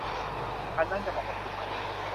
อันนั้นจะเหมาะกับคุณไหม